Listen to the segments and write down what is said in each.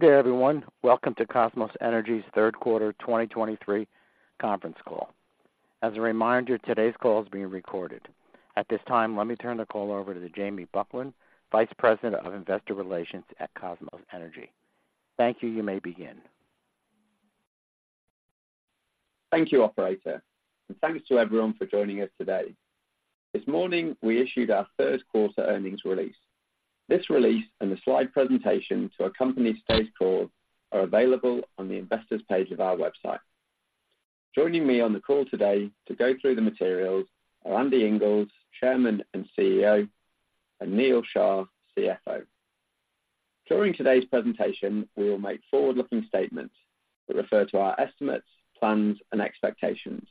Good day, everyone. Welcome to Kosmos Energy's third quarter 2023 conference call. As a reminder, today's call is being recorded. At this time, let me turn the call over to Jamie Buckland, Vice President of Investor Relations at Kosmos Energy. Thank you. You may begin. Thank you, operator, and thanks to everyone for joining us today. This morning, we issued our third quarter earnings release. This release and the slide presentation to accompany today's call are available on the Investors page of our website. Joining me on the call today to go through the materials are Andy Inglis, Chairman and CEO, and Neal Shah, CFO. During today's presentation, we will make forward-looking statements that refer to our estimates, plans, and expectations.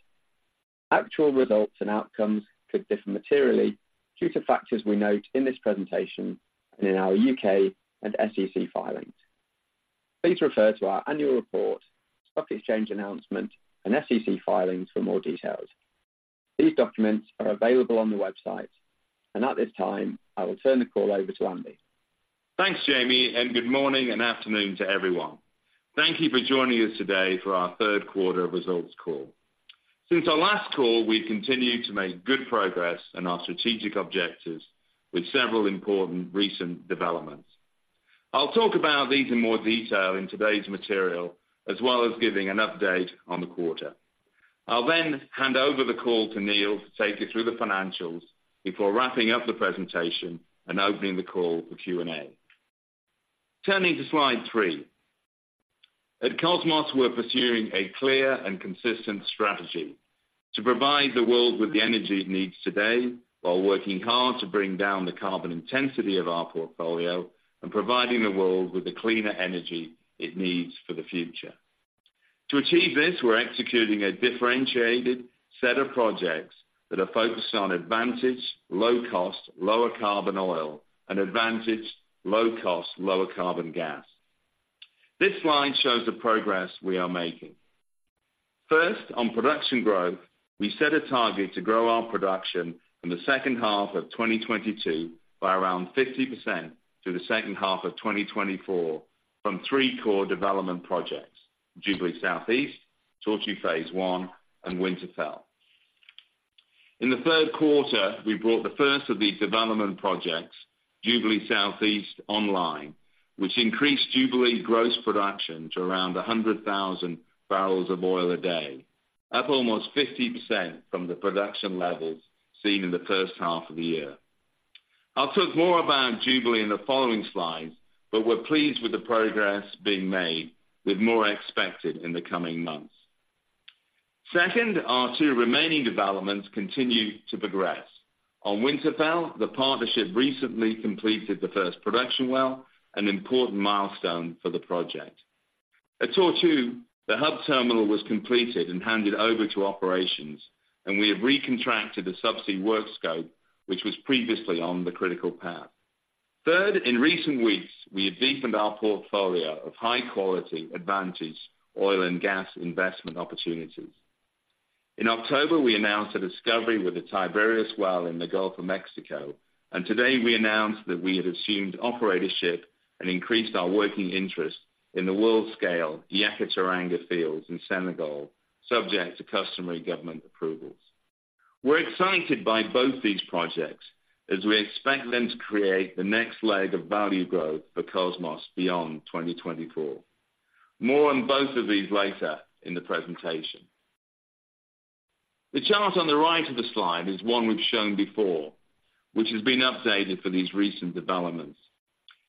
Actual results and outcomes could differ materially due to factors we note in this presentation and in our U.K. and SEC filings. Please refer to our annual report, stock exchange announcement, and SEC filings for more details. These documents are available on the website. At this time, I will turn the call over to Andy. Thanks, Jamie, and good morning and afternoon to everyone. Thank you for joining us today for our third quarter results call. Since our last call, we've continued to make good progress in our strategic objectives with several important recent developments. I'll talk about these in more detail in today's material, as well as giving an update on the quarter. I'll then hand over the call to Neal to take you through the financials before wrapping up the presentation and opening the call for Q&A. Turning to slide three. At Kosmos, we're pursuing a clear and consistent strategy to provide the world with the energy it needs today, while working hard to bring down the carbon intensity of our portfolio and providing the world with the cleaner energy it needs for the future. To achieve this, we're executing a differentiated set of projects that are focused on advantaged, low-cost, lower carbon oil and advantaged, low-cost, lower carbon gas. This slide shows the progress we are making. First, on production growth, we set a target to grow our production in the second half of 2022 by around 50% through the second half of 2024 from three core development projects: Jubilee Southeast, Tortue Phase One, and Winterfell. In the third quarter, we brought the first of these development projects, Jubilee Southeast, online, which increased Jubilee gross production to around 100,000 bbl of oil a day, up almost 50% from the production levels seen in the first half of the year. I'll talk more about Jubilee in the following slides, but we're pleased with the progress being made, with more expected in the coming months. Second, our two remaining developments continue to progress. On Winterfell, the partnership recently completed the first production well, an important milestone for the project. At Tortue, the hub terminal was completed and handed over to operations, and we have recontracted the subsea work scope, which was previously on the critical path. Third, in recent weeks, we have deepened our portfolio of high-quality advantage oil and gas investment opportunities. In October, we announced a discovery with the Tiberius well in the Gulf of Mexico, and today we announced that we had assumed operatorship and increased our working interest in the world-scale Yakaar-Teranga fields in Senegal, subject to customary government approvals. We're excited by both these projects, as we expect them to create the next leg of value growth for Kosmos beyond 2024. More on both of these later in the presentation. The chart on the right of the slide is one we've shown before, which has been updated for these recent developments.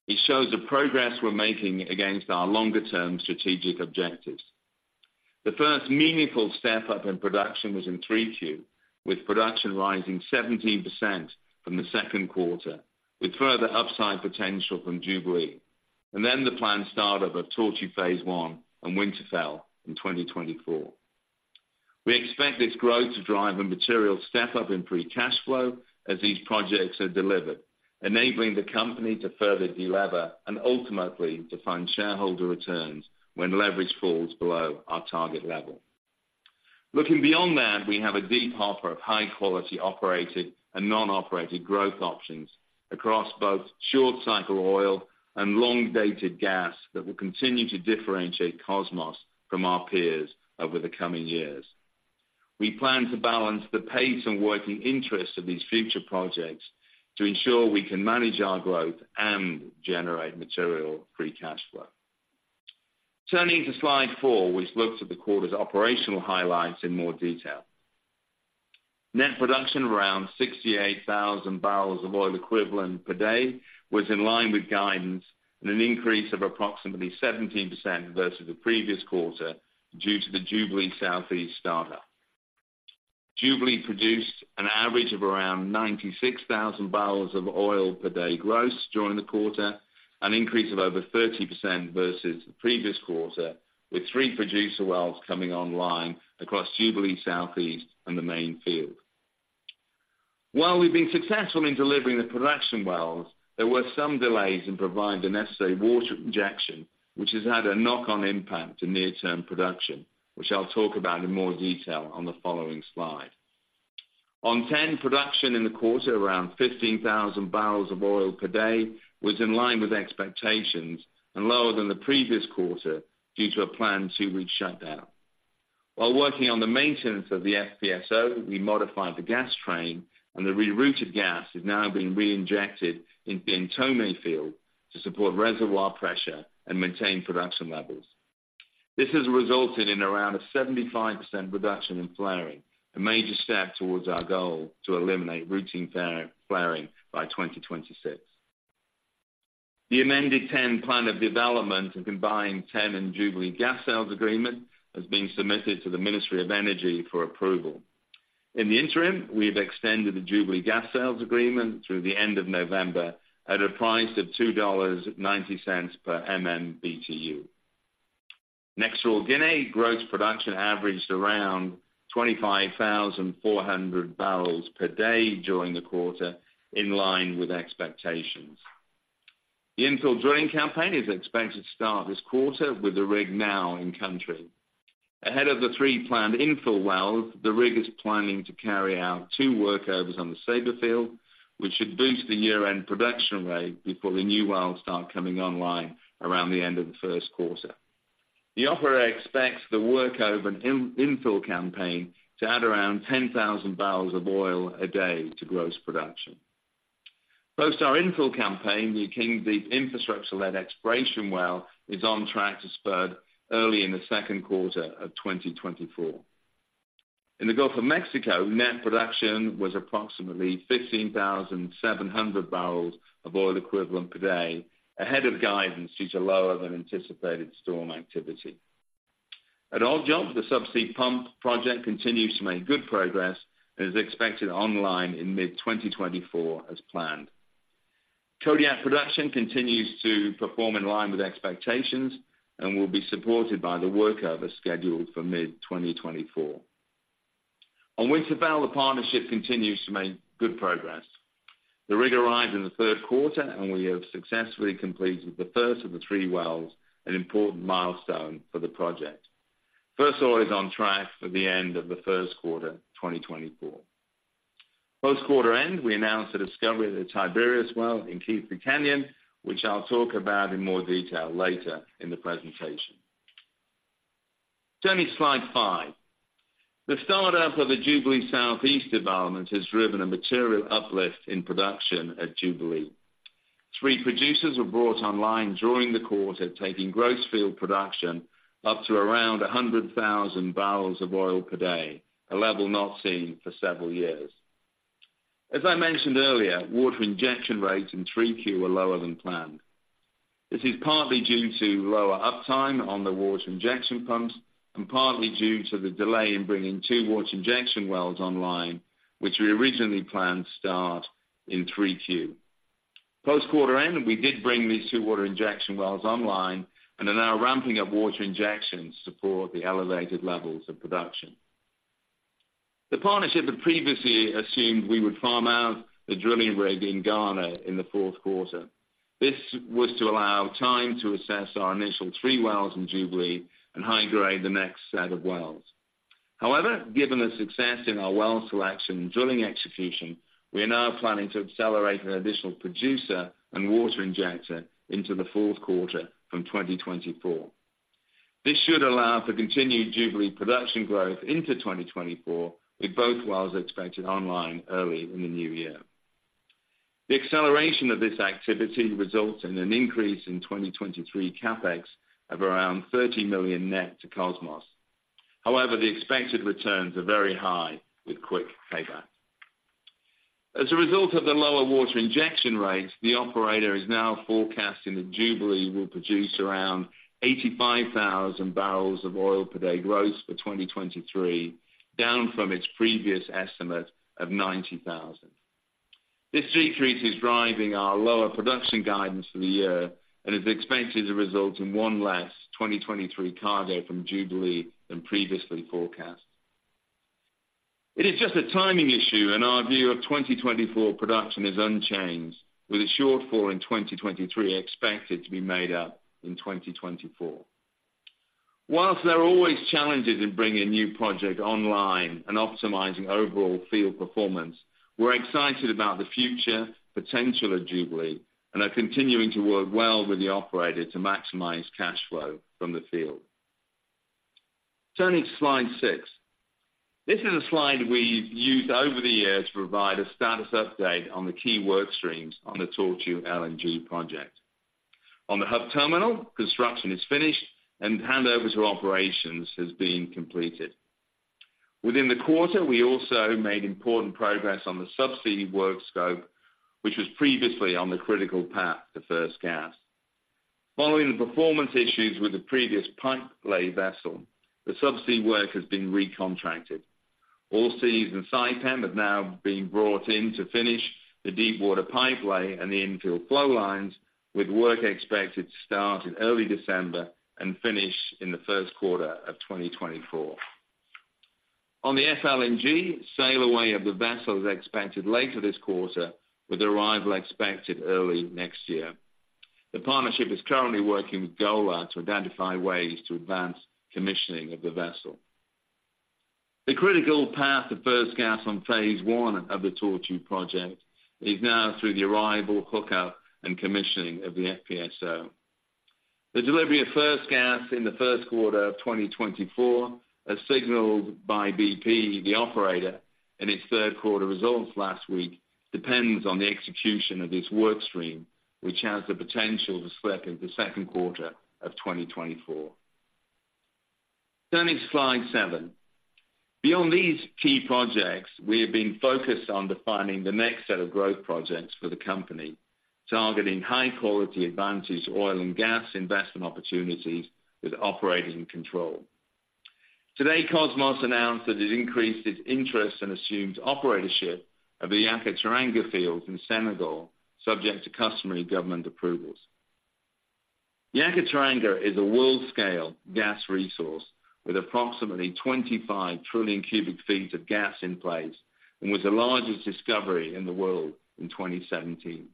It shows the progress we're making against our longer-term strategic objectives. The first meaningful step-up in production was in 3Q, with production rising 17% from the second quarter, with further upside potential from Jubilee, and then the planned start-up of Tortue Phase One and Winterfell in 2024. We expect this growth to drive a material step-up in free cash flow as these projects are delivered, enabling the company to further delever and ultimately to fund shareholder returns when leverage falls below our target level. Looking beyond that, we have a deep offer of high-quality operated and non-operated growth options across both short-cycle oil and long-dated gas that will continue to differentiate Kosmos from our peers over the coming years. We plan to balance the pace and working interest of these future projects to ensure we can manage our growth and generate material free cash flow. Turning to slide four, which looks at the quarter's operational highlights in more detail. Net production of around 68,000 bbl of oil equivalent per day was in line with guidance and an increase of approximately 17% versus the previous quarter due to the Jubilee Southeast starter. Jubilee produced an average of around 96,000 bbl of oil per day gross during the quarter, an increase of over 30% versus the previous quarter, with three producer wells coming online across Jubilee Southeast and the main field. While we've been successful in delivering the production wells, there were some delays in providing the necessary water injection, which has had a knock-on impact to near-term production, which I'll talk about in more detail on the following slide. On TEN production in the quarter, around 15,000 bbl of oil per day, was in line with expectations and lower than the previous quarter due to a planned two-week shutdown. While working on the maintenance of the FPSO, we modified the gas train, and the rerouted gas is now being reinjected in Ntomme Field to support reservoir pressure and maintain production levels. This has resulted in around a 75% reduction in flaring, a major step towards our goal to eliminate routine flaring by 2026. The amended TEN Plan of Development and combined TEN and Jubilee gas sales agreement has been submitted to the Ministry of Energy for approval. In the interim, we've extended the Jubilee gas sales agreement through the end of November at a price of $2.90 per MMBtu. Next, Guinea gross production averaged around 25,400 bbl per day during the quarter, in line with expectations. The infill drilling campaign is expected to start this quarter with the rig now in country. Ahead of the three planned infill wells, the rig is planning to carry out two workovers on the Ceiba Field, which sakhould boost the year-end production rate before the new wells start coming online around the end of the first quarter. The operator expects the workover and infill campaign to add around 10,000 bbl of oil a day to gross production. Post our infill campaign, the Akeng Deep infrastructure-led exploration well is on track to spud early in the second quarter of 2024. In the Gulf of Mexico, net production was approximately 15,700 bbl of oil equivalent per day, ahead of guidance due to lower than anticipated storm activity. At Odd Jump, the subsea pump project continues to make good progress and is expected online in mid-2024 as planned. Kodiak production continues to perform in line with expectations and will be supported by the workover scheduled for mid-2024. On Winterfell, the partnership continues to make good progress. The rig arrived in the third quarter, and we have successfully completed the first of the three wells, an important milestone for the project. First oil is on track for the end of the first quarter 2024. Post-quarter end, we announced the discovery of the Tiberius well in Keathley Canyon, which I'll talk about in more detail later in the presentation. Turning to slide five. The start-up of the Jubilee Southeast development has driven a material uplift in production at Jubilee. Three producers were brought online during the quarter, taking gross field production up to around 100,000 bbl of oil per day, a level not seen for several years. As I mentioned earlier, water injection rates in 3Q were lower than planned. This is partly due to lower uptime on the water injection pumps and partly due to the delay in bringing two water injection wells online, which we originally planned to start in 3Q. Post-quarter end, we did bring these two water injection wells online and are now ramping up water injections to support the elevated levels of production. The partnership had previously assumed we would farm out the drilling rig in Ghana in the fourth quarter. This was to allow time to assess our initial three wells in Jubilee and high-grade the next set of wells. However, given the success in our well selection and drilling execution, we are now planning to accelerate an additional producer and water injector into the fourth quarter from 2024. This should allow for continued Jubilee production growth into 2024, with both wells expected online early in the new year. The acceleration of this activity results in an increase in 2023 CapEx of around $30 million net to Kosmos. However, the expected returns are very high with quick payback. As a result of the lower water injection rates, the operator is now forecasting that Jubilee will produce around 85,000 bbl of oil per day gross for 2023, down from its previous estimate of 90,000. This decrease is driving our lower production guidance for the year and is expected to result in one less 2023 cargo from Jubilee than previously forecast. It is just a timing issue, and our view of 2024 production is unchanged, with a shortfall in 2023 expected to be made up in 2024. While there are always challenges in bringing a new project online and optimizing overall field performance, we're excited about the future potential of Jubilee and are continuing to work well with the operator to maximize cash flow from the field. Turning to slide six. This is a slide we've used over the years to provide a status update on the key work streams on the Tortue LNG project. On the hub terminal, construction is finished and handover to operations has been completed. Within the quarter, we also made important progress on the subsea work scope, which was previously on the critical path to first gas. Following the performance issues with the previous pipe lay vessel, the subsea work has been recontracted. Allseas and Saipem have now been brought in to finish the deepwater pipe lay and the infill flow lines, with work expected to start in early December and finish in the first quarter of 2024. On the FLNG, sail away of the vessel is expected later this quarter, with arrival expected early next year. The partnership is currently working with Golar to identify ways to advance commissioning of the vessel. The critical path to first gas on phase one of the Tortue project is now through the arrival, hookup, and commissioning of the FPSO. The delivery of first gas in the first quarter of 2024, as signaled by BP, the operator, in its third quarter results last week, depends on the execution of this work stream, which has the potential to slip into the second quarter of 2024. Turning to slide seven. Beyond these key projects, we have been focused on defining the next set of growth projects for the company, targeting high-quality advantaged oil and gas investment opportunities with operating control. Today, Kosmos announced that it increased its interest and assumed operatorship of the Yakaar-Teranga field in Senegal, subject to customary government approvals. Yakaar-Teranga is a world-scale gas resource with approximately 25 trillion cu ft of gas in place, and was the largest discovery in the world in 2017.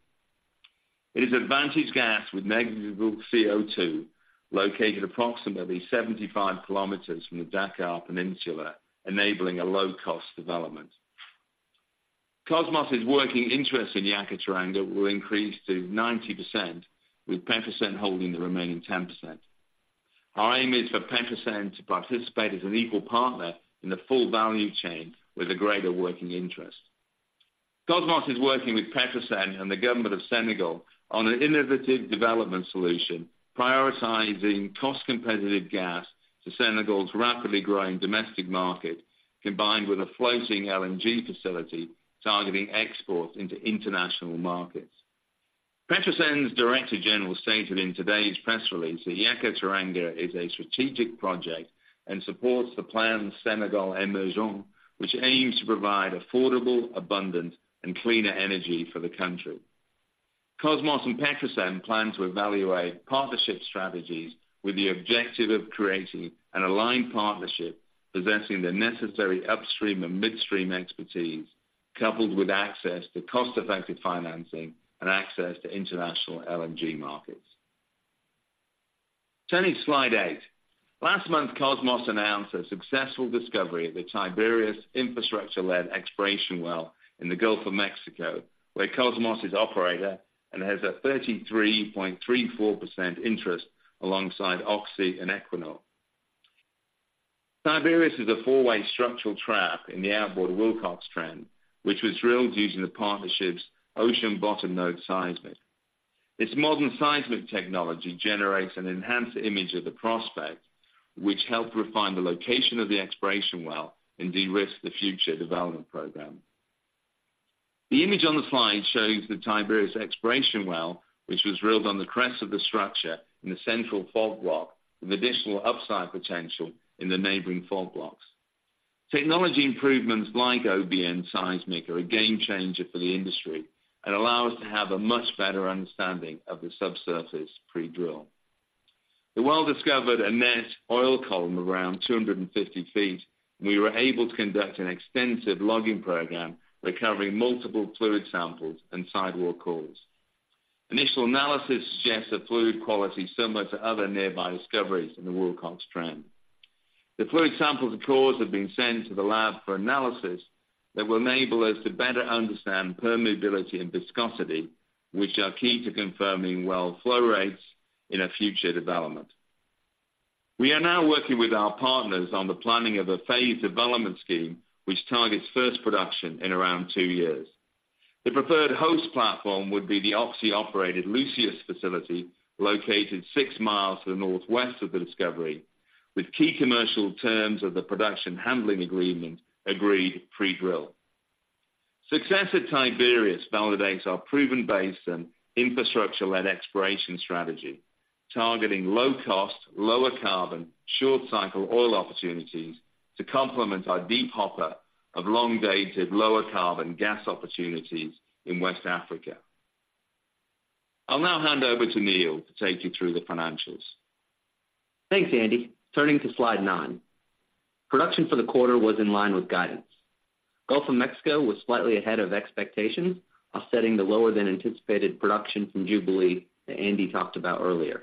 It is advantaged gas with negative CO2, located approximately 75 km from the Dakar Peninsula, enabling a low-cost development. Kosmos' working interest in Yakaar-Teranga will increase to 90%, with Petrosen holding the remaining 10%. Our aim is for Petrosen to participate as an equal partner in the full value chain with a greater working interest. Kosmos is working with Petrosen and the government of Senegal on an innovative development solution, prioritizing cost-competitive gas to Senegal's rapidly growing domestic market, combined with a floating LNG facility targeting exports into international markets. Petrosen's Director General stated in today's press release that Yakaar-Teranga is a strategic project and supports the Plan Sénégal Émergent, which aims to provide affordable, abundant, and cleaner energy for the country. Kosmos and Petrosen plan to evaluate partnership strategies with the objective of creating an aligned partnership possessing the necessary upstream and midstream expertise, coupled with access to cost-effective financing and access to international LNG markets. Turning to slide eight. Last month, Kosmos announced a successful discovery of the Tiberius infrastructure-led exploration well in the Gulf of Mexico, where Kosmos is operator and has a 33.34% interest alongside Oxy and Equinor. Tiberius is a four-way structural trap in the outboard Wilcox trend, which was drilled using the partnership's ocean bottom node seismic. This modern seismic technology generates an enhanced image of the prospect, which helped refine the location of the exploration well and de-risk the future development program. The image on the slide shows the Tiberius exploration well, which was drilled on the crest of the structure in the central fault block, with additional upside potential in the neighboring fault blocks. Technology improvements like OBN seismic are a game changer for the industry and allow us to have a much better understanding of the subsurface pre-drill. The well discovered a net oil column around 250 ft, and we were able to conduct an extensive logging program, recovering multiple fluid samples and sidewall cores. Initial analysis suggests a fluid quality similar to other nearby discoveries in the Wilcox trend. The fluid samples and cores have been sent to the lab for analysis that will enable us to better understand permeability and viscosity, which are key to confirming well flow rates in a future development. We are now working with our partners on the planning of a phased development scheme, which targets first production in around two years. The preferred host platform would be the Oxy-operated Lucius facility, located 6 mi to the northwest of the discovery, with key commercial terms of the production handling agreement agreed pre-drill. Success at Tiberius validates our proven base and infrastructure-led exploration strategy, targeting low cost, lower carbon, short cycle oil opportunities to complement our deep hopper of long-dated, lower carbon gas opportunities in West Africa. I'll now hand over to Neal to take you through the financials. Thanks, Andy. Turning to slide nine. Production for the quarter was in line with guidance. Gulf of Mexico was slightly ahead of expectations, offsetting the lower-than-anticipated production from Jubilee that Andy talked about earlier.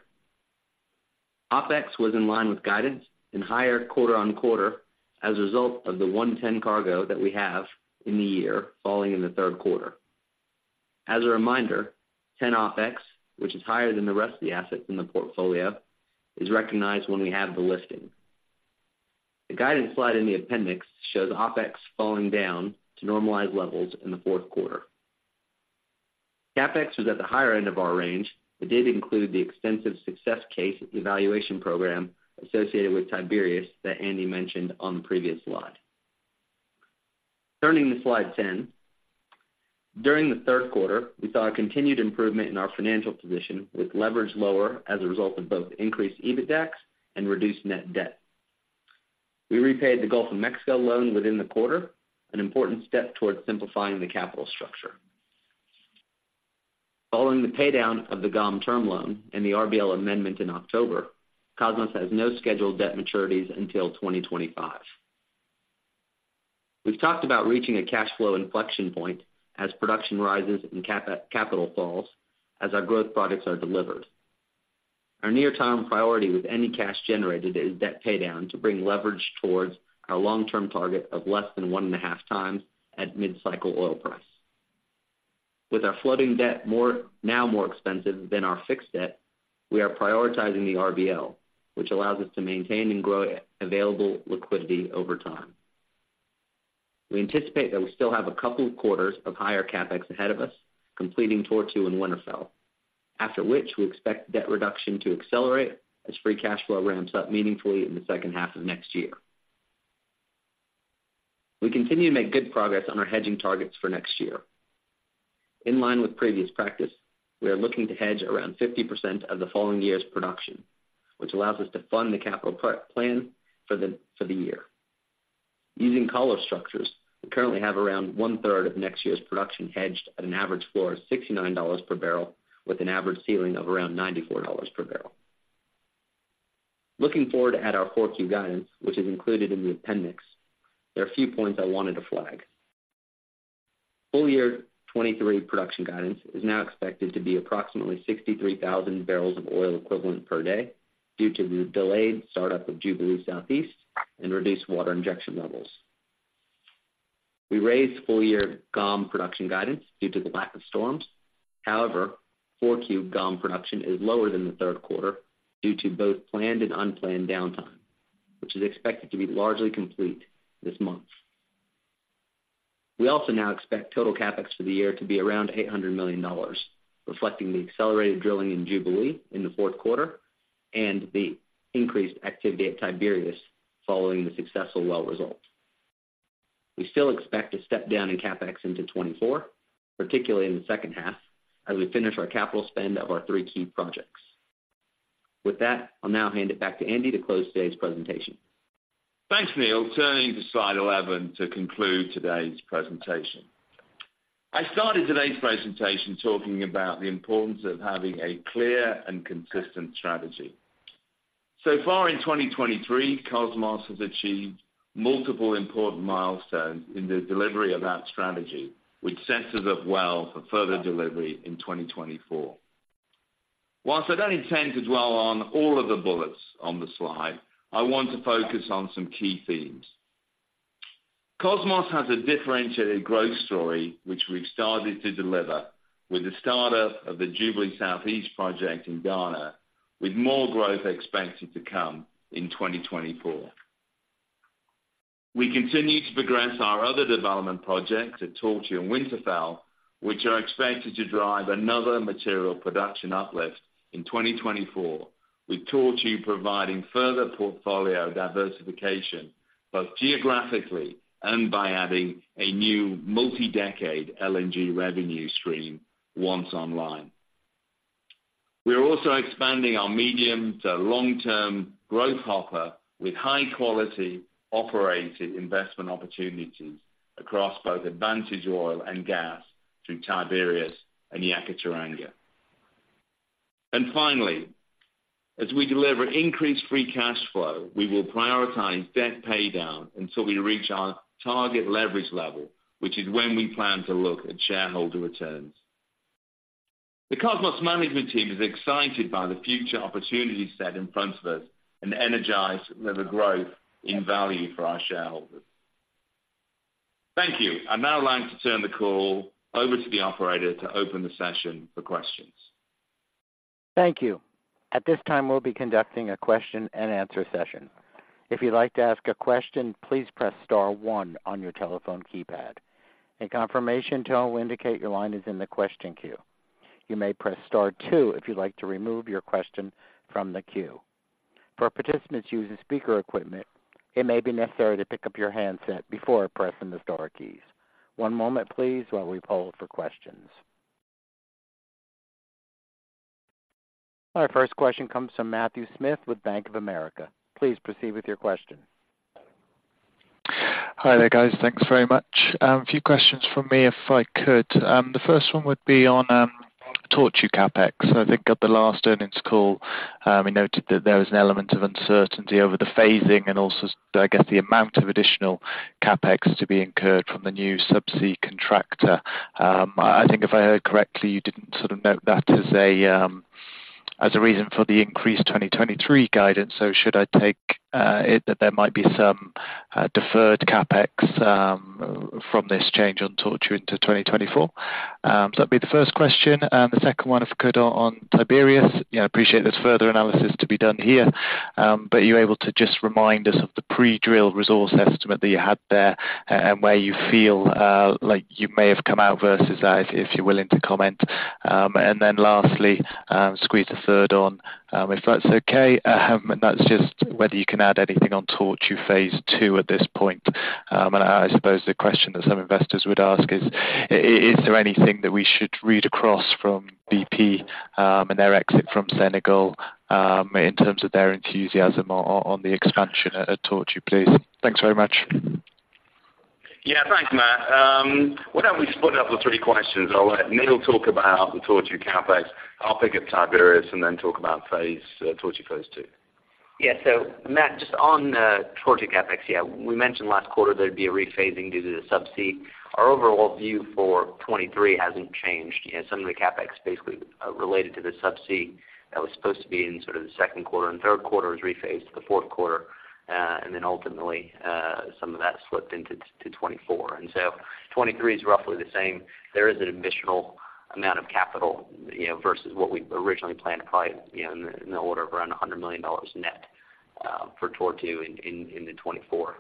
OpEx was in line with guidance and higher quarter-on-quarter as a result of the TEN cargo that we have in the year, falling in the third quarter. As a reminder, TEN OpEx, which is higher than the rest of the assets in the portfolio, is recognized when we have the lifting. The guidance slide in the appendix shows OpEx falling down to normalized levels in the fourth quarter. CapEx was at the higher end of our range. It did include the extensive success case evaluation program associated with Tiberius that Andy mentioned on the previous slide. Turning to slide 10. During the third quarter, we saw a continued improvement in our financial position, with leverage lower as a result of both increased EBITDAX and reduced net debt. We repaid the Gulf of Mexico loan within the quarter, an important step towards simplifying the capital structure. Following the paydown of the GOM term loan and the RBL amendment in October, Kosmos has no scheduled debt maturities until 2025. We've talked about reaching a cash flow inflection point as production rises and capital falls, as our growth projects are delivered. Our near-term priority with any cash generated is debt paydown to bring leverage towards our long-term target of less than 1.5x at mid-cycle oil price. With our floating debt now more expensive than our fixed debt, we are prioritizing the RBL, which allows us to maintain and grow available liquidity over time. We anticipate that we still have a couple of quarters of higher CapEx ahead of us, completing Tortue and Winterfell, after which we expect debt reduction to accelerate as free cash flow ramps up meaningfully in the second half of next year. We continue to make good progress on our hedging targets for next year. In line with previous practice, we are looking to hedge around 50% of the following year's production, which allows us to fund the capital plan for the year. Using collar structures, we currently have around one-third of next year's production hedged at an average floor of $69 per bbl, with an average ceiling of around $94 per bbl. Looking forward at our Q4 guidance, which is included in the appendix, there are a few points I wanted to flag. Full year 2023 production guidance is now expected to be approximately 63,000 bbl of oil equivalent per day due to the delayed startup of Jubilee Southeast and reduced water injection levels. We raised full year GOM production guidance due to the lack of storms. However, Q4 GOM production is lower than the third quarter due to both planned and unplanned downtime, which is expected to be largely complete this month. We also now expect total CapEx for the year to be around $800 million, reflecting the accelerated drilling in Jubilee in the fourth quarter and the increased activity at Tiberius following the successful well result. We still expect to step down in CapEx into 2024, particularly in the second half, as we finish our capital spend of our three key projects. With that, I'll now hand it back to Andy to close today's presentation. Thanks, Neal. Turning to slide 11 to conclude today's presentation. I started today's presentation talking about the importance of having a clear and consistent strategy. So far in 2023, Kosmos has achieved multiple important milestones in the delivery of that strategy, which sets us up well for further delivery in 2024. While I don't intend to dwell on all of the bullets on the slide, I want to focus on some key themes. Kosmos has a differentiated growth story, which we've started to deliver with the startup of the Jubilee Southeast project in Ghana, with more growth expected to come in 2024. We continue to progress our other development projects at Tortue and Winterfell, which are expected to drive another material production uplift in 2024, with Tortue providing further portfolio diversification, both geographically and by adding a new multi-decade LNG revenue stream once online. We are also expanding our medium to long-term growth hopper with high-quality operated investment opportunities across both advantaged oil and gas through Tiberius and Yakaar-Teranga. And finally, as we deliver increased free cash flow, we will prioritize debt paydown until we reach our target leverage level, which is when we plan to look at shareholder returns. The Kosmos management team is excited by the future opportunity set in front of us and energized with the growth in value for our shareholders. Thank you. I'd now like to turn the call over to the operator to open the session for questions. Thank you. At this time, we'll be conducting a question-and-answer session. If you'd like to ask a question, please press star one on your telephone keypad. A confirmation tone will indicate your line is in the question queue. You may press star two if you'd like to remove your question from the queue. For participants using speaker equipment, it may be necessary to pick up your handset before pressing the star keys. One moment please, while we poll for questions. Our first question comes from Matthew Smith with Bank of America. Please proceed with your question. Hi there, guys. Thanks very much. A few questions from me, if I could. The first one would be on Tortue CapEx. I think at the last earnings call, you noted that there was an element of uncertainty over the phasing and also, I guess, the amount of additional CapEx to be incurred from the new subsea contractor. I think if I heard correctly, you didn't sort of note that as a reason for the increased 2023 guidance. So should I take it that there might be some deferred CapEx from this change on Tortue into 2024? That'd be the first question. And the second one, if I could, on Tiberius. I appreciate there's further analysis to be done here, but you able to just remind us of the pre-drill resource estimate that you had there and where you feel, like you may have come out versus that, if you're willing to comment. And then lastly, squeeze a 1/3 on, if that's okay, and that's just whether you can add anything on Tortue Phase Two at this point. And I suppose the question that some investors would ask is, is there anything that we should read across from BP, and their exit from Senegal, in terms of their enthusiasm on the expansion at Tortue, please? Thanks very much. Yeah, thanks, Matt. Why don't we split up the three questions? I'll let Neal talk about the Tortue CapEx. I'll pick up Tiberius and then talk about phase, Tortue Phase Two. Yeah, so Matt, just on the Tortue CapEx, yeah, we mentioned last quarter there'd be a rephasing due to the subsea. Our overall view for 2023 hasn't changed. You know, some of the CapEx basically related to the subsea that was supposed to be in sort of the second quarter and third quarter was rephased to the fourth quarter, and then ultimately some of that slipped into to 2024. And so 2023 is roughly the same. There is an additional amount of capital, you know, versus what we originally planned, probably, you know, in the order of around $100 million net for Tortue in the 2024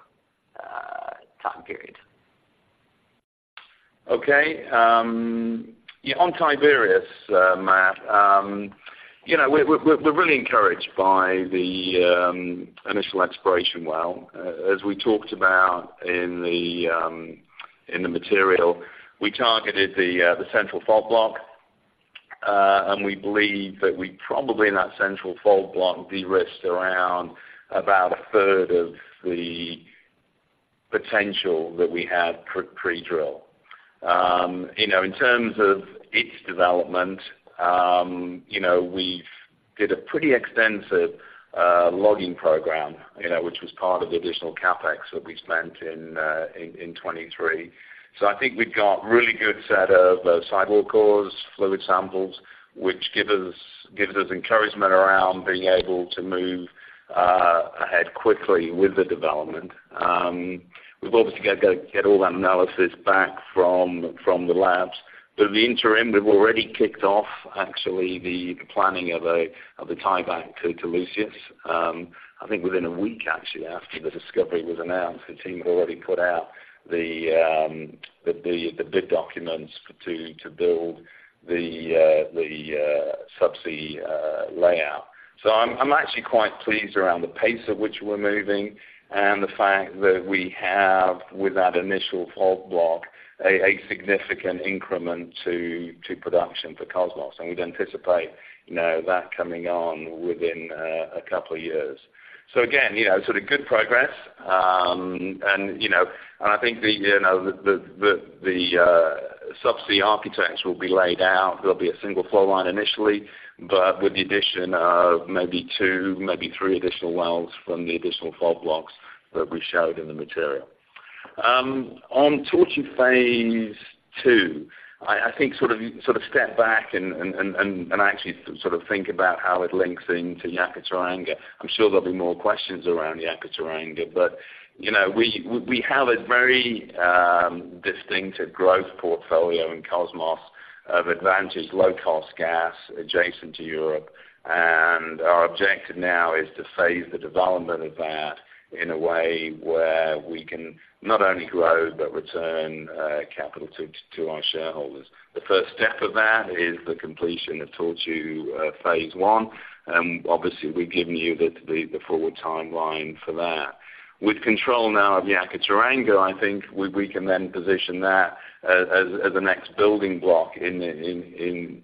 time period. Okay, yeah, on Tiberius, Matt, you know, we're really encouraged by the initial exploration well. As we talked about in the material, we targeted the central fault block, and we believe that we probably, in that central fault block, de-risked around about 1/3 of the potential that we had pre-drill. You know, in terms of its development, you know, we've did a pretty extensive logging program, you know, which was part of the additional CapEx that we spent in 2023. So I think we've got really good set of sidewall cores, fluid samples, which give us, gives us encouragement around being able to move ahead quickly with the development. We've obviously got to get all that analysis back from the labs. But in the interim, we've already kicked off, actually, the planning of a tieback to Lucius. I think within a week, actually, after the discovery was announced, the team had already put out the bid documents to build the subsea layout. So I'm actually quite pleased around the pace at which we're moving and the fact that we have, with that initial fault block, a significant increment to production for Kosmos, and we'd anticipate, you know, that coming on within a couple of years. So again, you know, sort of good progress. And, you know, and I think the subsea architects will be laid out. There'll be a single flow line initially, but with the addition of maybe two, maybe three additional wells from the additional fault blocks that we showed in the material. On Tortue Phase Two, I think sort of step back and actually sort of think about how it links into Yakaar-Teranga. I'm sure there'll be more questions around Yakaar-Teranga, but, you know, we have a very distinctive growth portfolio in Kosmos of advantaged low-cost gas adjacent to Europe, and our objective now is to phase the development of that in a way where we can not only grow, but return capital to our shareholders. The first step of that is the completion of Tortue Phase One, and obviously, we've given you the forward timeline for that. With control now of Yakaar-Teranga, I think we can then position that as the next building block in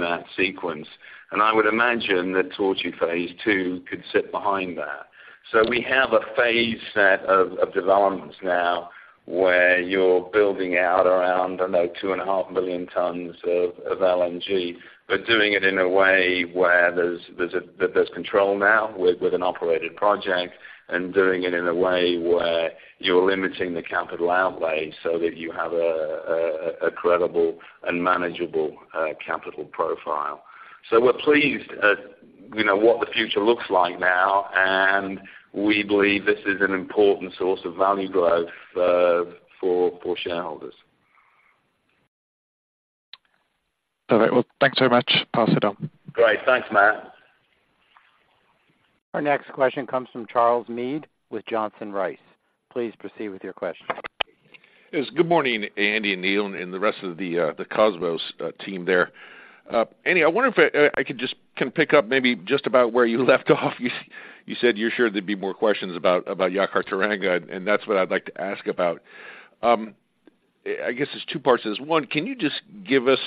that sequence. And I would imagine that Tortue Phase Two could sit behind that. So we have a phase set of developments now where you're building out around, I know, 2.5 million tons of LNG, but doing it in a way where there's control now with an operated project, and doing it in a way where you're limiting the capital outlay so that you have a credible and manageable capital profile. So we're pleased at, you know, what the future looks like now, and we believe this is an important source of value growth for shareholders. All right. Well, thanks so much. Pass it on. Great. Thanks, Matt. Our next question comes from Charles Meade with Johnson Rice. Please proceed with your question. Yes, good morning, Andy and Neal and the rest of the Kosmos team there. Andy, I wonder if I could just. Can pick up maybe just about where you left off. You said you're sure there'd be more questions about Yakaar-Teranga, and that's what I'd like to ask about. I guess there's two parts to this. One, can you just give us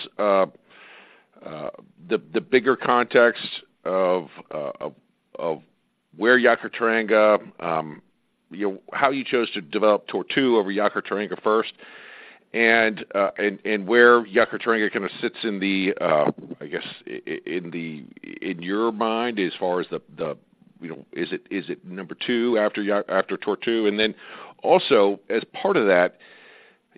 the bigger context of where Yakaar-Teranga, you know, how you chose to develop Tortue over Yakaar-Teranga first, and where Yakaar-Teranga kind of sits in the, I guess, in your mind as far as the, you know, is it number two after Tortue? And then also, as part of that,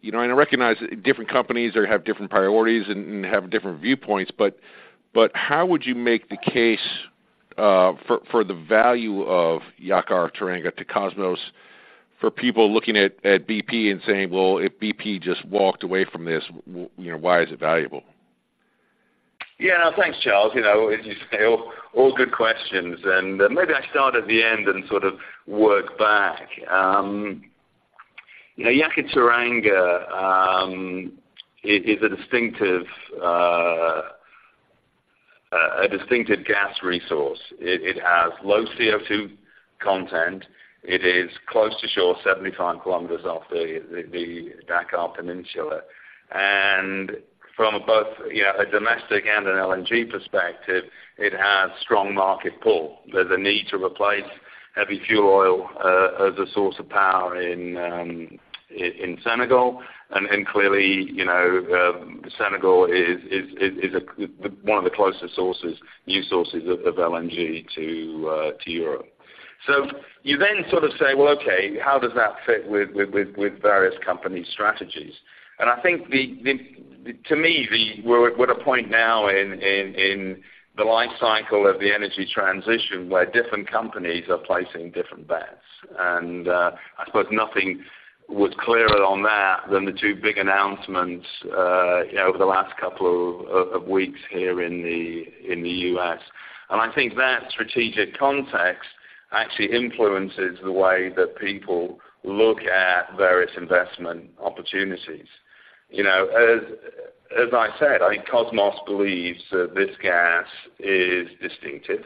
you know, and I recognize different companies have different priorities and, and have different viewpoints, but, but how would you make the case for the value of Yakaar-Teranga to Kosmos, for people looking at BP and saying, "Well, if BP just walked away from this, you know, why is it valuable? Yeah. Thanks, Charles. You know, as you say, all good questions, and maybe I start at the end and sort of work back. You know, Yakaar-Teranga is a distinctive gas resource. It has low CO2 content. It is close to shore, 75 km off the Dakar Peninsula. And from both, yeah, a domestic and an LNG perspective, it has strong market pull. There's a need to replace heavy fuel oil as a source of power in Senegal. And clearly, you know, Senegal is one of the closest new sources of LNG to Europe. So you then sort of say, well, okay, how does that fit with various company strategies? I think, to me, we're at a point now in the life cycle of the energy transition, where different companies are placing different bets. I suppose nothing was clearer on that than the two big announcements, you know, over the last couple of weeks here in the U.S. I think that strategic context actually influences the way that people look at various investment opportunities. You know, as I said, I think Kosmos believes that this gas is distinctive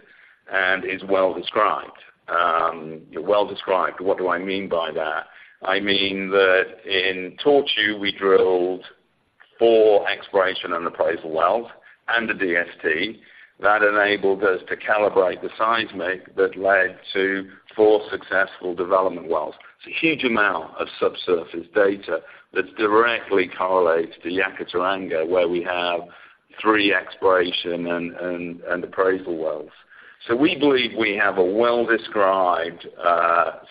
and is well described. Well described, what do I mean by that? I mean that in Tortue, we drilled four exploration and appraisal wells and a DST, that enabled us to calibrate the seismic that led to four successful development wells. It's a huge amount of subsurface data that directly correlates to Yakaar-Teranga, where we have three exploration and appraisal wells. So we believe we have a well-described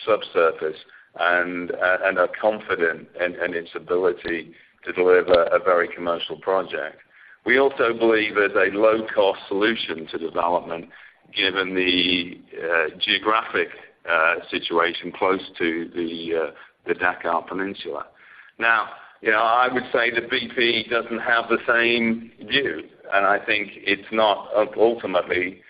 subsurface and are confident in its ability to deliver a very commercial project. We also believe there's a low-cost solution to development, given the geographic situation close to the Dakar Peninsula. Now, you know, I would say that BP doesn't have the same view, and I think it's not ultimately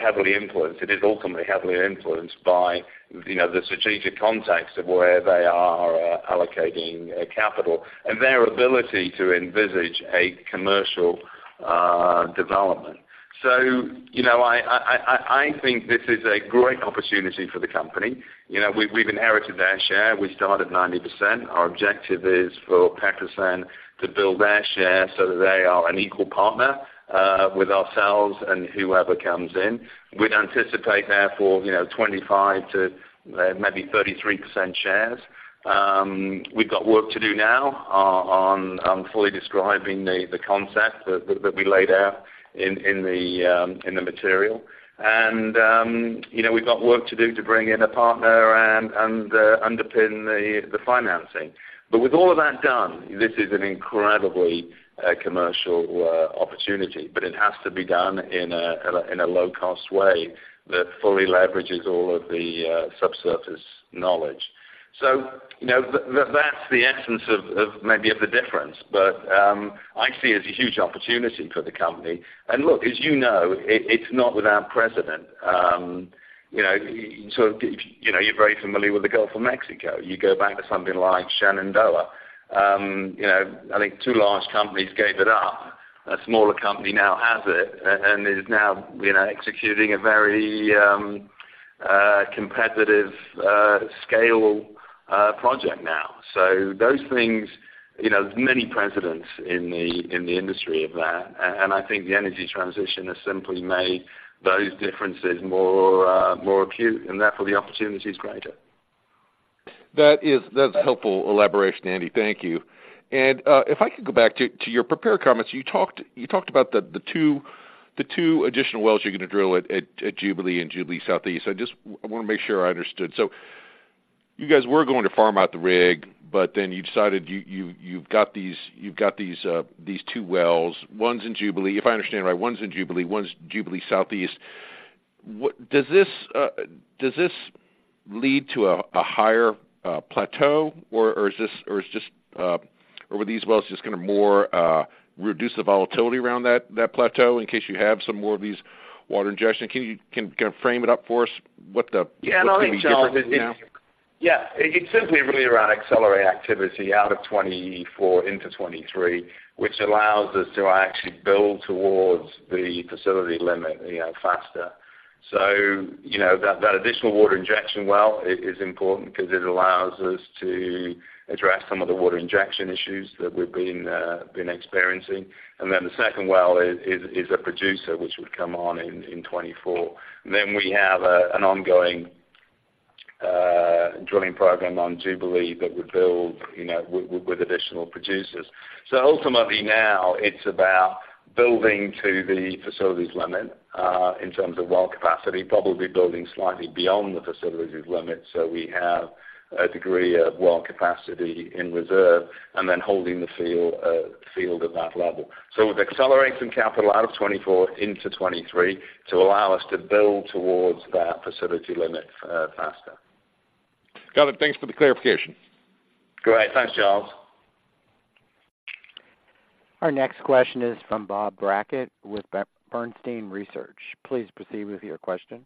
heavily influenced. It is ultimately heavily influenced by, you know, the strategic context of where they are allocating capital and their ability to envisage a commercial development. So, you know, I think this is a great opportunity for the company. You know, we've inherited their share. We start at 90%. Our objective is for Petrosen to build their share so that they are an equal partner with ourselves and whoever comes in. We'd anticipate therefore, you know, 25% to maybe 33% shares. We've got work to do now on fully describing the concept that we laid out in the material. And you know, we've got work to do to bring in a partner and underpin the financing. But with all of that done, this is an incredibly commercial opportunity, but it has to be done in a low-cost way that fully leverages all of the subsurface knowledge. So, you know, that's the essence of maybe the difference, but I see it as a huge opportunity for the company. And look, as you know, it's not without precedent. You know, you're very familiar with the Gulf of Mexico. You go back to something like Shenandoah. You know, I think two large companies gave it up. A smaller company now has it and is now executing a very competitive scale project now. So those things, you know, many precedents in the industry of that. And I think the energy transition has simply made those differences more acute, and therefore, the opportunity is greater. That is, that's a helpful elaboration, Andy. Thank you. And, if I could go back to your prepared comments, you talked about the two additional wells you're gonna drill at Jubilee and Jubilee Southeast. I just wanna make sure I understood. So you guys were going to farm out the rig, but then you decided you've got these two wells. One's in Jubilee. If I understand right, one's in Jubilee, one's Jubilee Southeast. What does this lead to a higher plateau, or is this just gonna more reduce the volatility around that plateau in case you have some more of these water injection? Can you kinda frame it up for us? What the- Yeah. What can be different now? Yeah, it's simply really around accelerate activity out of 2024 into 2023, which allows us to actually build towards the facility limit, you know, faster. So, you know, that additional water injection well is important because it allows us to address some of the water injection issues that we've been experiencing. And then the second well is a producer, which would come on in 2024. Then we have an ongoing drilling program on Jubilee that would build, you know, with additional producers. So ultimately now it's about building to the facilities limit in terms of well capacity, probably building slightly beyond the facilities limit. So we have a degree of well capacity in reserve, and then holding the field at that level. We've accelerated some capital out of 2024 into 2023 to allow us to build towards that facility limit faster. Got it. Thanks for the clarification. Great. Thanks, Charles. Our next question is from Bob Brackett with Bernstein Research. Please proceed with your question.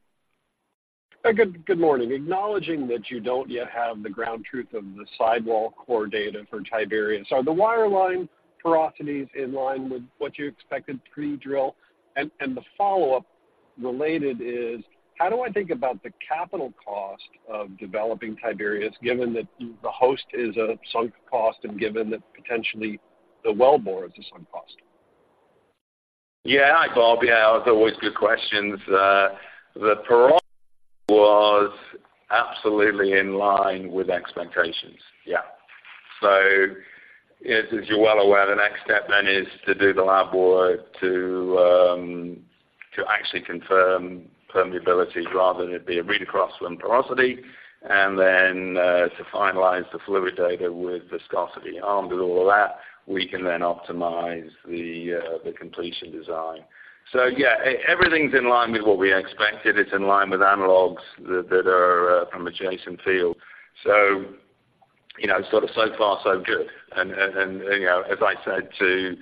Good morning. Acknowledging that you don't yet have the ground truth of the sidewall core data for Tiberius, are the wireline porosities in line with what you expected pre-drill? And the follow-up related is, how do I think about the capital cost of developing Tiberius, given that the host is a sunk cost and given that potentially the wellbore is a sunk cost? Yeah. Hi, Bob. Yeah, as always, good questions. The porosity was absolutely in line with expectations. Yeah. So as you're well aware, the next step then is to do the lab work to actually confirm permeability rather than it be a read-across from porosity, and then to finalize the fluid data with viscosity. Armed with all of that, we can then optimize the completion design. So yeah, everything's in line with what we expected. It's in line with analogs that are from adjacent field. So, you know, sort of so far, so good. And you know, as I said to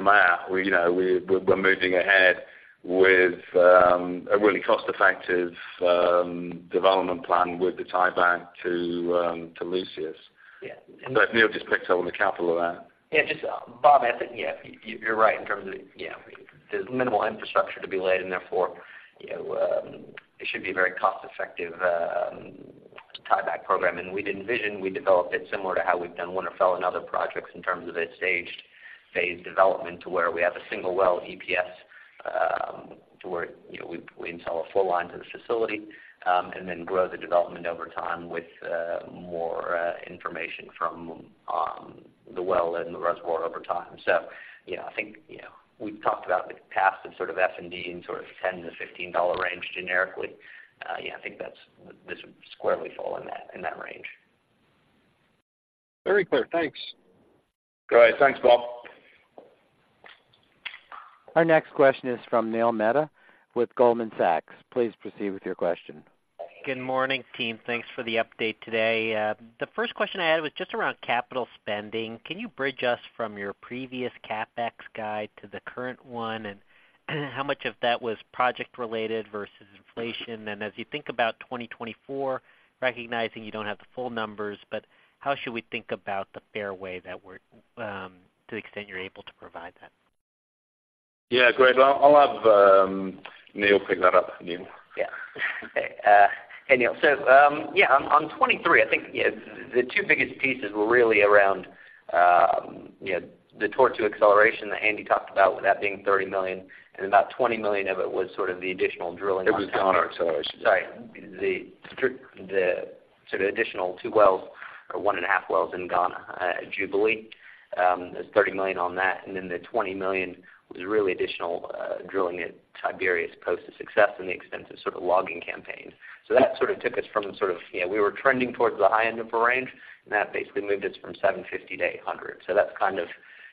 Matt, we, you know, we're moving ahead with a really cost-effective development plan with the tieback to Lucius. Yeah. But Neil, just picks up on the capital of that. Yeah, just, Bob, I think, yeah, you're right in terms of, yeah, there's minimal infrastructure to be laid, and therefore, you know, it should be very cost-effective tieback program. And we'd envision we developed it similar to how we've done Winterfell and other projects in terms of a staged phase development to where we have a single well EPS, to where, you know, we, we install a full line to this facility, and then grow the development over time with more information from the well and the reservoir over time. So, you know, I think, you know, we've talked about the cost of sort of F&D in sort of $10-$15 range generically. Yeah, I think that's this would squarely fall in that, in that range. Very clear. Thanks. Great. Thanks, Bob. Our next question is from Neil Mehta with Goldman Sachs. Please proceed with your question. Good morning, team. Thanks for the update today. The first question I had was just around capital spending. Can you bridge us from your previous CapEx guide to the current one, and how much of that was project-related versus inflation? And as you think about 2024, recognizing you don't have the full numbers, but how should we think about the fairway that we're to the extent you're able to provide that? Yeah, great. Well, I'll have Neal pick that up. Neal? Yeah. Okay, hey, Neil. So, yeah, on 2023, I think, yeah, the two biggest pieces were really around, you know, the Tortue acceleration that Andy talked about, with that being $30 million, and about $20 million of it was sort of the additional drilling- It was Ghana acceleration. Sorry, the sort of additional two wells or 1.5 wells in Ghana, Jubilee. There's $30 million on that, and then the $20 million was really additional drilling at Tiberius post the success and the extensive sort of logging campaign. So that sort of took us from sort of, you know, we were trending towards the high end of the range, and that basically moved us from $750 million to $100 million. So that's kind of,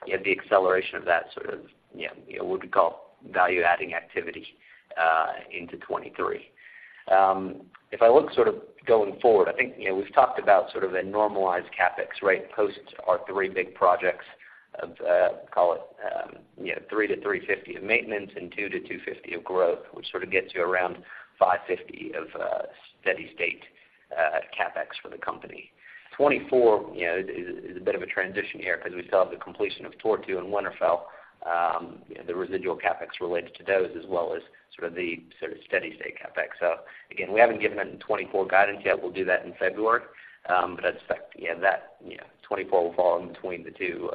you know, the acceleration of that sort of, you know, what we call value-adding activity into 2023. If I look sort of going forward, I think, you know, we've talked about sort of a normalized CapEx, right, post our three big projects of, call it, you know, $300 million-$350 million of maintenance and $200 million-$250 million of growth, which sort of gets you around $550 million of, steady state, CapEx for the company. 2024, you know, is a bit of a transition year because we still have the completion of Tortue and Winterfell, the residual CapEx related to those as well as sort of the steady state CapEx. So again, we haven't given any 2024 guidance yet. We'll do that in February. I'd expect, yeah, that, you know, 2024 will fall in between the two,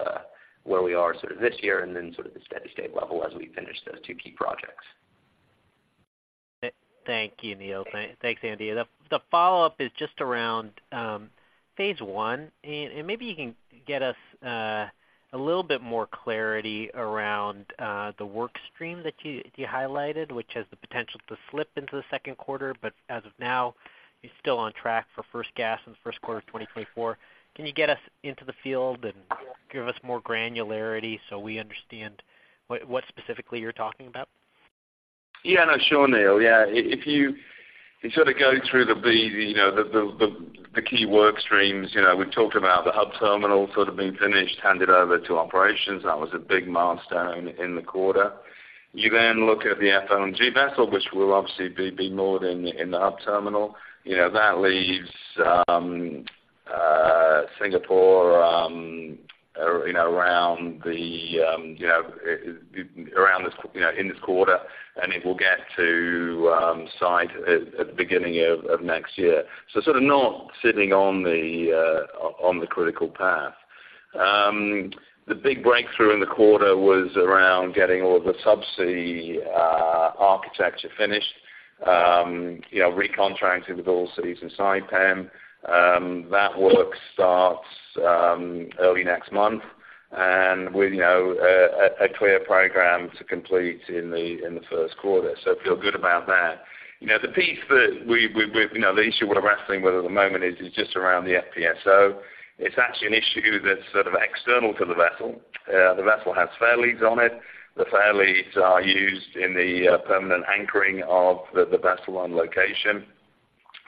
where we are sort of this year and then sort of the steady state level as we finish those two key projects. Thank you, Neal. Thanks, Andy. The follow-up is just around phase one. Maybe you can get us a little bit more clarity around the work stream that you highlighted, which has the potential to slip into the second quarter, but as of now, it's still on track for first gas in the first quarter of 2024. Can you get us into the field and give us more granularity so we understand what specifically you're talking about? Yeah, no, sure, Neil. Yeah, if you sort of go through the key work streams, you know, we've talked about the hub terminal sort of being finished, handed over to operations. That was a big milestone in the quarter. You then look at the FLNG vessel, which will obviously be moored in the hub terminal. You know, that leaves Singapore around this quarter, and it will get to site at the beginning of next year. So sort of not sitting on the critical path. The big breakthrough in the quarter was around getting all of the subsea architecture finished, you know, recontracting with Allseas and Saipem. That work starts early next month, and with, you know, a clear program to complete in the first quarter. So feel good about that. You know, the piece that we - you know, the issue we're wrestling with at the moment is just around the FPSO. It's actually an issue that's sort of external to the vessel. The vessel has fairleads on it. The fairleads are used in the permanent anchoring of the vessel on location.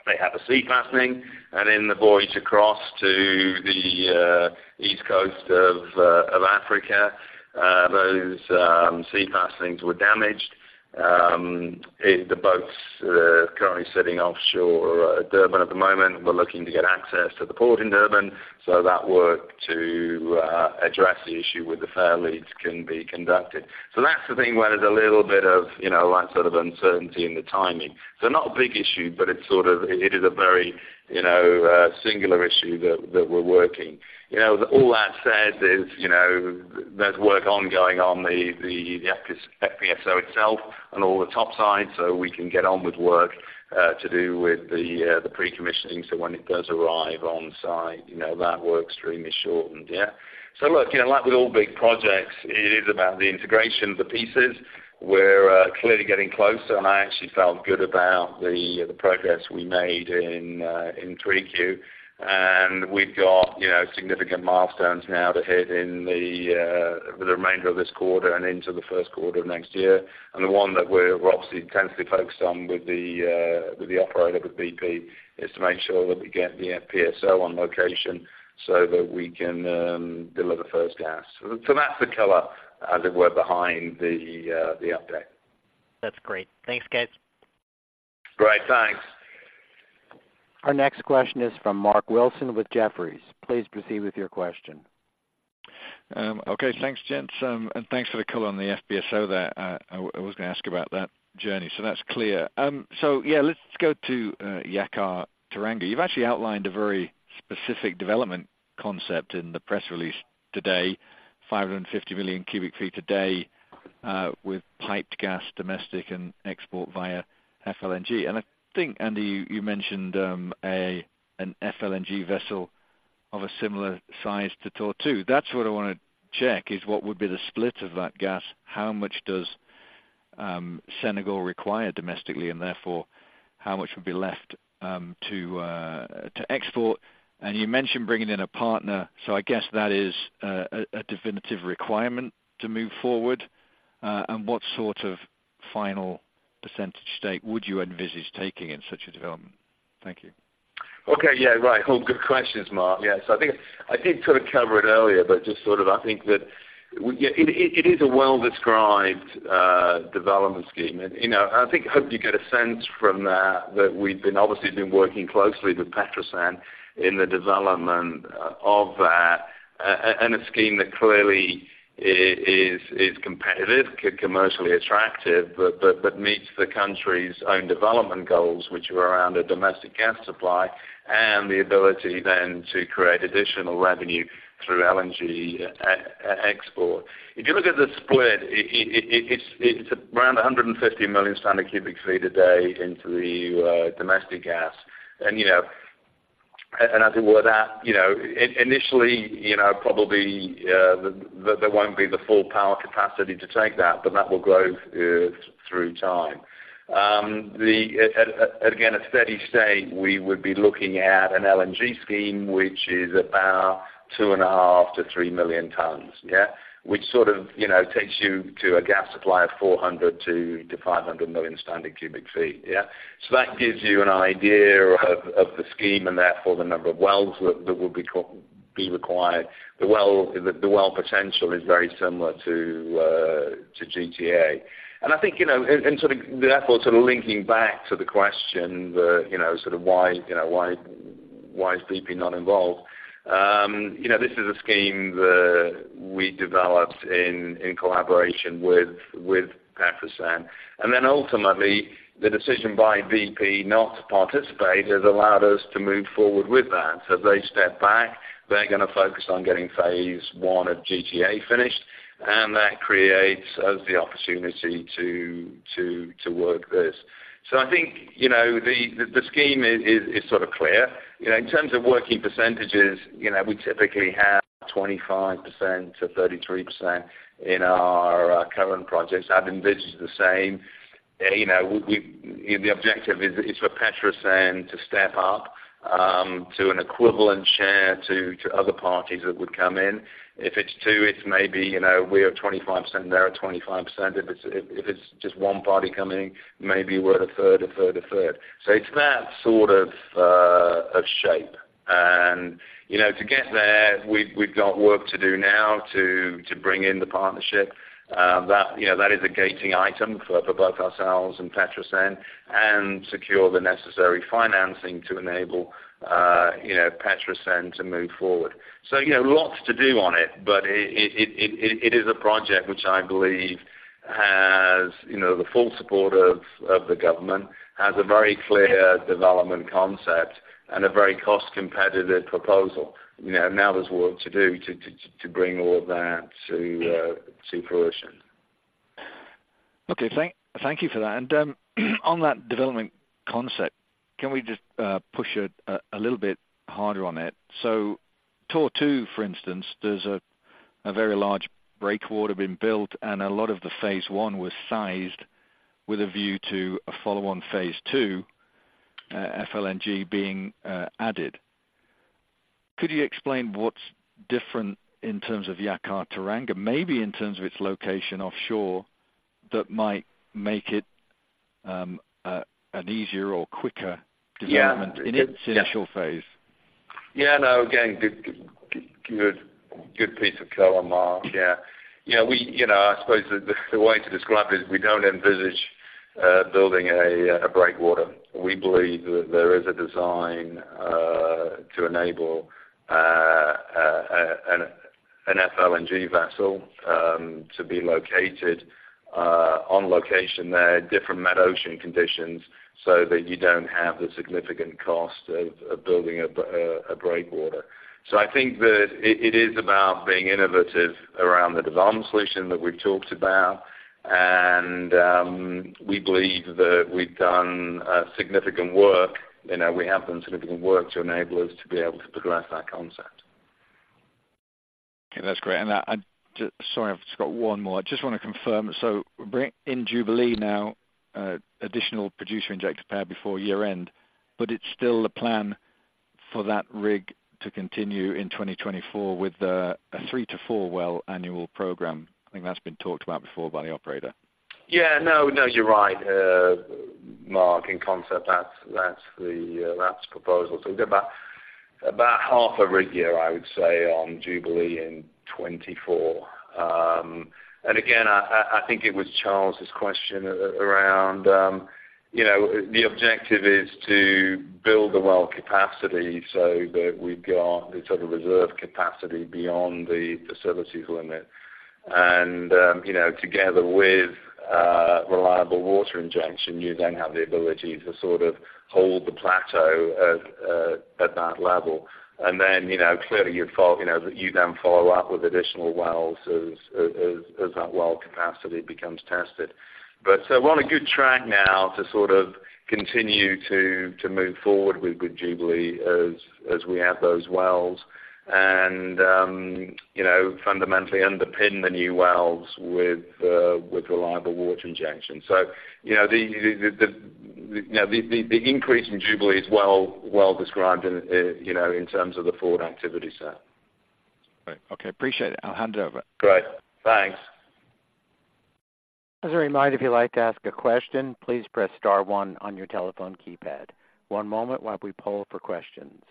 They have a sea fastening, and in the voyage across to the east coast of Africa, those sea fastenings were damaged. The boats are currently sitting offshore at Durban at the moment. We're looking to get access to the port in Durban, so that work to address the issue with the fairleads can be conducted. So that's the thing where there's a little bit of, you know, that sort of uncertainty in the timing. So not a big issue, but it's sort of, it is a very, you know, singular issue that we're working. You know, all that said is, you know, there's work ongoing on the FPSO itself and all the topsides, so we can get on with work to do with the pre-commissioning. So when it does arrive on site, you know, that work stream is shortened. Yeah. So look, you know, like with all big projects, it is about the integration of the pieces. We're clearly getting closer, and I actually felt good about the progress we made in 3Q. We've got, you know, significant milestones now to hit in the remainder of this quarter and into the first quarter of next year. The one that we're obviously intensely focused on with the operator, with BP, is to make sure that we get the FPSO on location so that we can deliver first gas. So that's the color, as it were, behind the update. That's great. Thanks, guys. Great. Thanks. Our next question is from Mark Wilson with Jefferies. Please proceed with your question. Okay, thanks, gents. And thanks for the color on the FPSO there. I was gonna ask about that journey, so that's clear. So yeah, let's go to Yakaar-Teranga. You've actually outlined a very specific development concept in the press release today, 550 million cu ft a day, with piped gas, domestic and export via FLNG. And I think, Andy, you mentioned an FLNG vessel of a similar size to Tortue. That's what I wanna check, is what would be the split of that gas? How much does Senegal require domestically, and therefore, how much would be left to export? And you mentioned bringing in a partner, so I guess that is a definitive requirement to move forward. What sort of final percentage stake would you envisage taking in such a development? Thank you. Okay, yeah, right. All good questions, Mark. Yeah, so I think I did sort of cover it earlier, but just sort of I think that, yeah, it is a well-described development scheme. And, you know, I think hoped you get a sense from that, that we've been obviously working closely with Petrosen in the development of that, and a scheme that clearly is competitive, commercially attractive, but meets the country's own development goals, which are around a domestic gas supply and the ability then to create additional revenue through LNG export. If you look at the split, it is around 150 million standard cu ft a day into the domestic gas. And, you know, and as it were, that, you know, initially, you know, probably, there won't be the full power capacity to take that, but that will grow, through time. At, again, a steady state, we would be looking at an LNG scheme, which is about 2.5 million tons-3 million tons, yeah? Which sort of, you know, takes you to a gas supply of 400 million standard cu ft-500 million standard cu ft. Yeah. So that gives you an idea of the scheme and therefore the number of wells that would be required. The well potential is very similar to GTA. And I think, you know, and sort of therefore, sort of linking back to the question, you know, sort of why, you know, why is BP not involved? You know, this is a scheme that we developed in collaboration with Petrosen. And then ultimately, the decision by BP not to participate has allowed us to move forward with that. So they stepped back. They're gonna focus on getting phase one of GTA finished, and that creates us the opportunity to work this. So I think, you know, the scheme is sort of clear. You know, in terms of working percentages, you know, we typically have 25%-33% in our current projects. I'd envisage the same. You know, the objective is for Petrosen to step up to an equivalent share to other parties that would come in. If it's two, it's maybe, you know, we're at 25%, they're at 25%. If it's just one party coming, maybe we're 1/3, 1/3, 1/3. So it's that sort of shape. And, you know, to get there, we've got work to do now to bring in the partnership. That, you know, that is a gating item for both ourselves and Petrosen and secure the necessary financing to enable, you know, Petrosen to move forward. So, you know, lots to do on it, but it is a project which I believe has, you know, the full support of the government, has a very clear development concept and a very cost-competitive proposal. You know, now there's work to do to bring all of that to fruition. Okay, thank you for that. And on that development concept, can we just push it a little bit harder on it? So Tortue, for instance, there's a very large breakwater being built, and a lot of the phase one was sized with a view to a follow-on phase two, FLNG being added. Could you explain what's different in terms of Yakaar-Teranga, maybe in terms of its location offshore, that might make it an easier or quicker- Yeah development in its initial phase? Yeah, no, again, good, good piece of color, Mark. Yeah. Yeah, we, you know, I suppose the way to describe it is we don't envisage building a breakwater. We believe that there is a design to enable an FLNG vessel to be located on location there, different metocean conditions, so that you don't have the significant cost of building a breakwater. So I think that it is about being innovative around the development solution that we've talked about, and we believe that we've done significant work, you know, we have done significant work to enable us to be able to progress that concept. Okay, that's great. And I – just, sorry, I've just got one more. I just want to confirm, so bring in Jubilee now, additional producer injector pair before year-end, but it's still the plan for that rig to continue in 2024 with a three to four well annual program? I think that's been talked about before by the operator. Yeah. No, no, you're right, Mark, in concept, that's the proposal. So we've got about half a rig year, I would say, on Jubilee in 2024. And again, I think it was Charles's question around, you know, the objective is to build the well capacity so that we've got the sort of reserve capacity beyond the facilities limit. And, you know, together with reliable water injection, you then have the ability to sort of hold the plateau at that level. And then, you know, clearly, you'd follow, you know, you then follow up with additional wells as that well capacity becomes tested. But so we're on a good track now to sort of continue to move forward with good Jubilee as we add those wells and, you know, fundamentally underpin the new wells with reliable water injection. So, you know, the increase in Jubilee is well described in, you know, in terms of the forward activity set. Great. Okay, appreciate it. I'll hand it over. Great. Thanks. As a reminder, if you'd like to ask a question, please press star one on your telephone keypad. One moment while we pull for questions.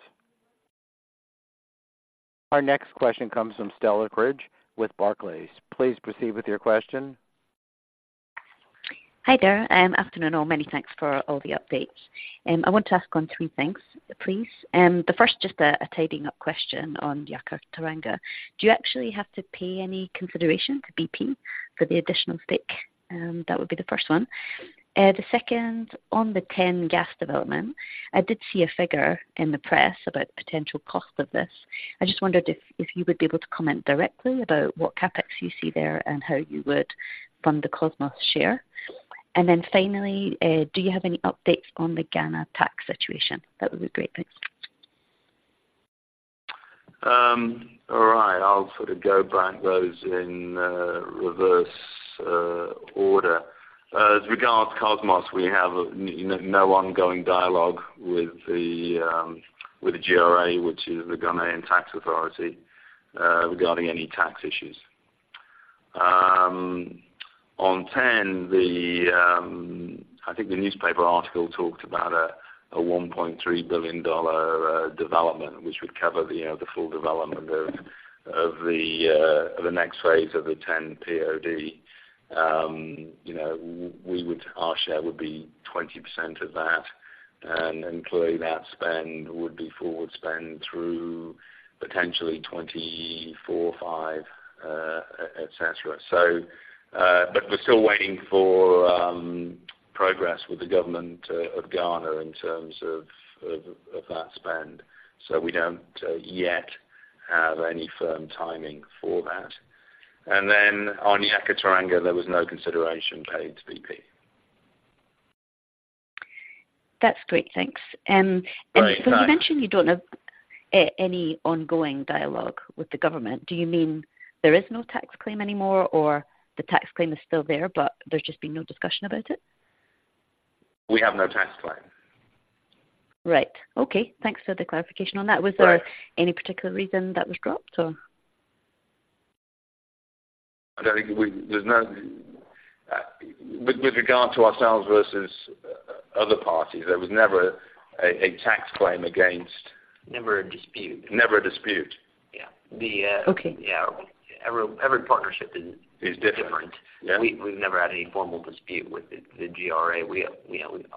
Our next question comes from Stella Cridge with Barclays. Please proceed with your question. Hi there, afternoon, all. Many thanks for all the updates. I want to ask on three things, please. The first, just a tidying up question on Yakaar-Teranga. Do you actually have to pay any consideration to BP for the additional stake? That would be the first one. The second, on the TEN Gas development, I did see a figure in the press about the potential cost of this. I just wondered if you would be able to comment directly about what CapEx you see there and how you would fund the Kosmos share. And then finally, do you have any updates on the Ghana tax situation? That would be great, thanks. All right. I'll sort of go back those in reverse order. As regards to Kosmos, we have no ongoing dialogue with the GRA, which is the Ghanaian Tax Authority, regarding any tax issues. On TEN, I think the newspaper article talked about a $1.3 billion development, which would cover the full development of the next phase of the TEN POD. You know, we would—our share would be 20% of that, and including that spend would be forward spend through potentially 2024, 2025, et cetera. So, but we're still waiting for progress with the Government of Ghana in terms of that spend. So we don't yet have any firm timing for that. And then on Yakaar-Teranga, there was no consideration paid to BP. That's great, thanks. Great, thanks. So you mentioned you don't have any ongoing dialogue with the government. Do you mean there is no tax claim anymore, or the tax claim is still there, but there's just been no discussion about it? We have no tax claim. Right. Okay, thanks for the clarification on that. Right. Was there any particular reason that was dropped, or? I don't think we. There's no, with regard to ourselves versus other parties, there was never a tax claim against- Never a dispute. Never a dispute. Yeah. Okay. Yeah, every partnership is- Is different. Different. Yeah. We've never had any formal dispute with the GRA. We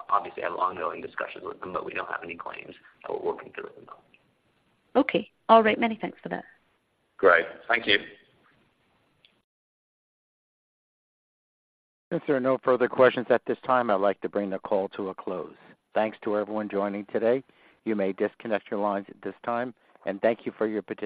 obviously have an ongoing discussion with them, but we don't have any claims that we're working through them on. Okay. All right. Many thanks for that. Great. Thank you. If there are no further questions at this time, I'd like to bring the call to a close. Thanks to everyone joining today. You may disconnect your lines at this time, and thank you for your participation.